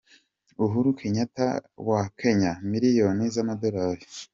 Uhuru Kenyatta wa Kenya: Miliyoni z’amadolari.